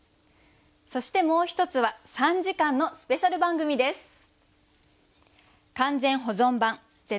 そしてもう一つは３時間のスペシャル番組です。